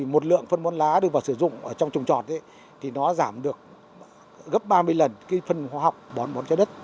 một lượng phân bón lá được sử dụng trong trồng chuột thì nó giảm được gấp ba mươi lần phân khoa học bón cho đất